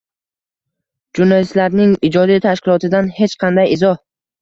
Jurnalistlarning ijodiy tashkilotidan hech qanday izoh